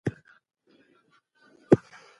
د بدن ټول رګونه د مسواک په برکت صفا کېږي.